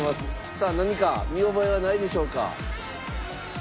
さあ何か見覚えはないでしょうか？